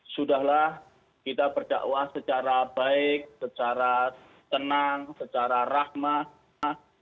sudahlah kita berdakwah secara baik secara tenang secara rahmat